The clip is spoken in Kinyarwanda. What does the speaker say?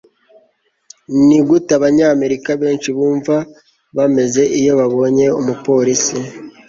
Ni gute Abanyamerika benshi bumva bameze iyo babonye umupolisi